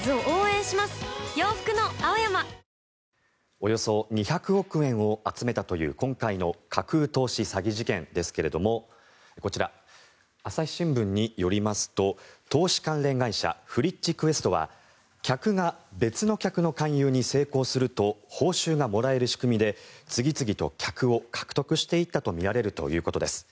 およそ２００億円を集めたという今回の架空投資詐欺事件ですがこちら、朝日新聞によりますと投資関連会社フリッチクエストは客が別の客の勧誘に成功すると報酬がもらえる仕組みで次々と客を獲得していったとみられるということです。